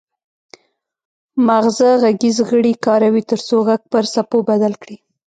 مغزه غږیز غړي کاروي ترڅو غږ پر څپو بدل کړي